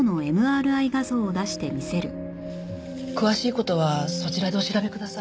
詳しい事はそちらでお調べください。